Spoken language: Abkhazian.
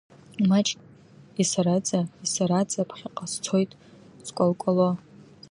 Маҷк исараӡа, исараӡа, ԥхьаҟа сцоит скәалкәало.